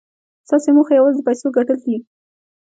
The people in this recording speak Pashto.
ستاسې موخه یوازې د پیسو ګټل دي